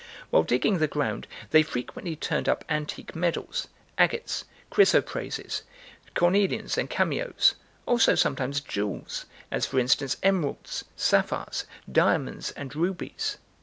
While digging the ground, they frequently turned up antique medals, agates, chrysoprases, cornelians, and cameos; also sometimes jewels, as, for instance, emeralds, sapphires, diamonds, and rubies.